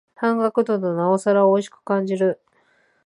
半額だとなおさらおいしく感じる